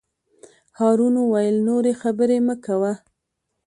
هارون وویل: نورې خبرې مه کوه.